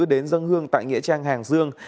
đến dân hương tại nghĩa trang hàng dương